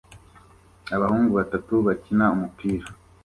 Abahungu batatu bakina umupira